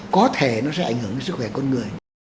có thể nó sẽ ảnh hưởng đến sức khỏe con người